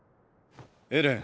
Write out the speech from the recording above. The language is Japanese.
エレン。